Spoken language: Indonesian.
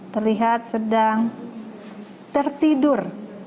terlihat sedang tertidur